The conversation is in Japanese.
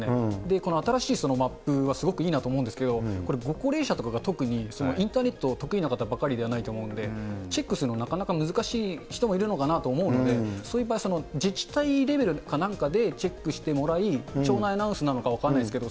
この新しいマップは、すごくいいなと思うんですけれども、これ、ご高齢者とかが特にインターネット、得意な方ばかりではないと思うんで、チェックするの、なかなか難しい人もいるのかなと思うので、そういう場合、自治体レベルかなんかでチェックしてもらい、町内アナウンスなのか分かんないですけど、